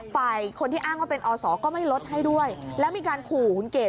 ฝ่ายคนที่อ้างว่าเป็นอศก็ไม่ลดให้ด้วยแล้วมีการขู่คุณเกด